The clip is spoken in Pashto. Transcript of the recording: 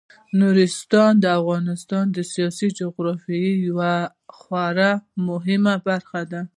نورستان د افغانستان د سیاسي جغرافیې یوه خورا مهمه برخه ده.